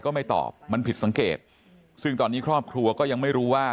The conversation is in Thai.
ก็ไม่ตอบมันผิดสังเกตซึ่งตอนนี้ครอบครัวก็ยังไม่รู้ว่า